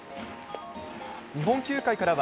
日本球界からは、